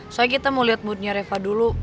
soalnya kita mau lihat moodnya reva dulu